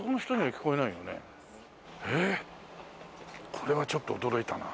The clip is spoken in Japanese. えっこれはちょっと驚いたな。